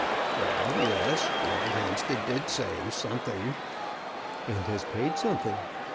"Well, yes; Lord Hampstead did say something " "And has paid something.